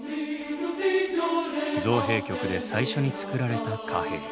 造幣局で最初に造られた貨幣。